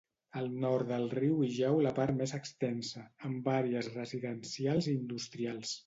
Al nord del riu hi jau la part més extensa, amb àrees residencials i industrials.